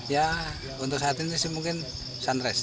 ya untuk saat ini sih mungkin sunrise